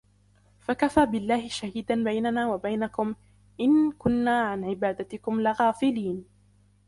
فكفى بالله شهيدا بيننا وبينكم إن كنا عن عبادتكم لغافلين